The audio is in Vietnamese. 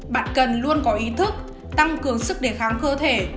bạn cần luôn có ý thức tăng cường sức đề kháng cơ thể